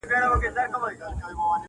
چا له وهمه ورته سپوڼ نه سو وهلای-